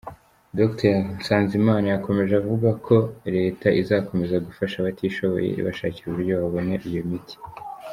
Dr Nsanzimana yakomeje avuga ko leta izakomeza gufasha abatishoboye ibashakira uburyo babona iyo miti.